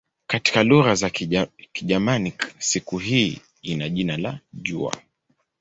Katika lugha za Kigermanik siku hii ina jina la "jua".